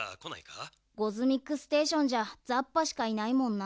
ゴズミックステーションじゃザッパしかいないもんな。